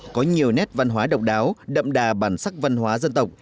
có nhiều nét văn hóa độc đáo đậm đà bản sắc văn hóa dân tộc